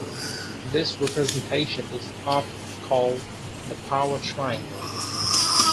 This representation is often called the "power triangle".